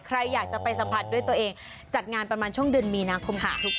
ใครอยากจะไปสัมผัสด้วยตัวเองจัดงานประมาณช่วงเดือนมีนาคมของทุกวัน